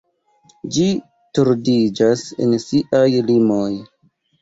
Ĝi tordiĝas en siaj limoj.